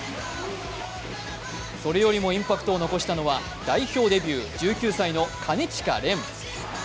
それよりもインパクトを残したのは、代表デビュー、１９歳の金近廉。